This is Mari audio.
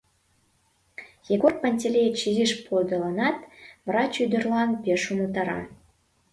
Егор Пантелеич изиш подылынат, врач ӱдырлан пеш умылтара: